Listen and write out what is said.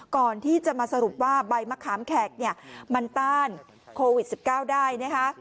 ก่อนที่จะมาสรุปว่าใบมะขามแขกเนี่ยมันต้านโควิด๑๙ได้นะคะ